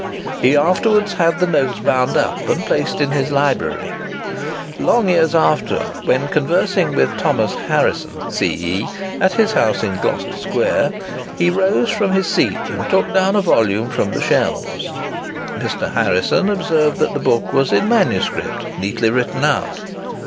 He afterwards had the notes bound up, and placed in his library. Long years after, when conversing with Thomas Harrison, C.E., at his house in Gloucester Square, he rose from his seat and took down a volume from the shelves. Mr. Harrison observed that the book was in MS., neatly written out.